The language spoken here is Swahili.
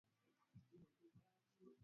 Idadi ya vifo